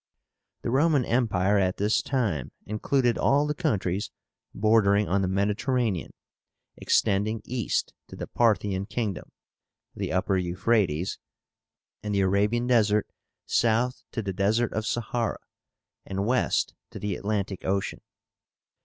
The Roman Empire at this time included all the countries bordering on the Mediterranean, extending east to the Parthian kingdom (the Upper Euphrátes) and the Arabian Desert, south to the Desert of Sahara, and west to the Atlantic Ocean.